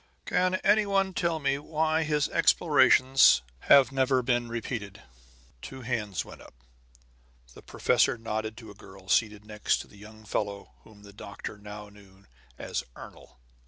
Can any one tell me why his explorations have never been repeated?" Two hands went up. The professor nodded to a girl seated next to the young fellow whom the doctor now knew as "Ernol."